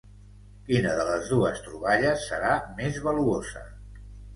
Quina de les dues troballes serà més valuosa?